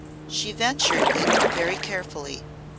She ventured it very carefully.